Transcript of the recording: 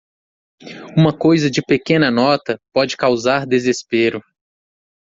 Uma coisa de pequena nota pode causar desespero.